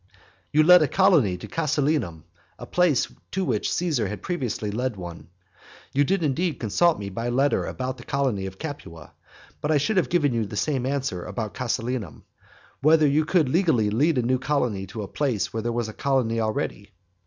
XL. You led a colony to Casilinum, a place to which Caesar had previously led one. You did indeed consult me by letter about the colony of Capua, (but I should have given you the same answer about Casilinum,) whether you could legally lead a new colony to a place where there was a colony already.